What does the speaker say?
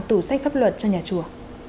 tủ sách pháp luật cho nhà chùa